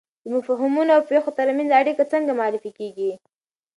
د مفهومونو او پېښو ترمنځ اړیکه څنګه معرفي کیږي؟